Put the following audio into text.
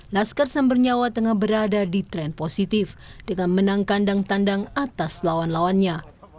naskah sambernyawa tengah berada di tren positif dengan menang kandang tandang atas lawan lawannya